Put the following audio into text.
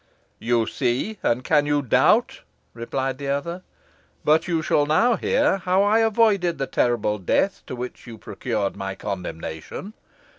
"You see, and can you doubt?" replied the other. "But you shall now hear how I avoided the terrible death to which you procured my condemnation.